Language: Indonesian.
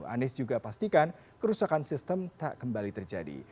anies juga pastikan kerusakan sistem tak kembali terjadi